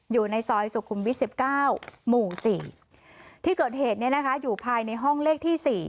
อยู่ในซอยสุขุมวิท๑๙หมู่๔ที่เกิดเหตุเนี่ยนะคะอยู่ภายในห้องเลขที่๔